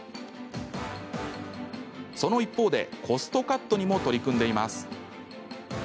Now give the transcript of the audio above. その一方で、コストカットにも取り組んでいます。